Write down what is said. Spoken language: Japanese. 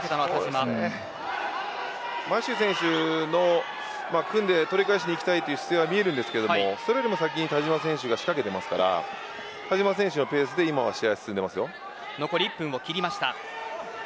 マシュー選手の組んで取り返しにいきたいという姿勢は見えますがそれよりも先に田嶋選手が仕掛けていますので田嶋選手のペースで残り１分を切りました。